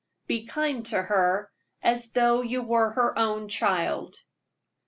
"BE KIND TO HER, AS THOUGH YOU WERE HER OWN CHILD."